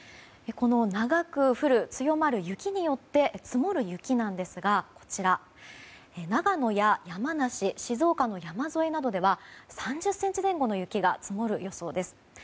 この長く降る強まる雪によって積もる雪なんですが長野や山梨、静岡の山沿いなどでは３０ｃｍ前後の雪が積もる予想です。